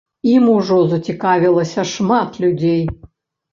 Ім ужо зацікавілася шмат людзей.